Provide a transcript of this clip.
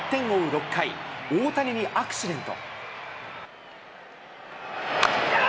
６回、大谷にアクシデント。